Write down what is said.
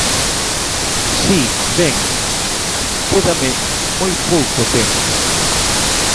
Si, ben, quédame moi pouco tempo.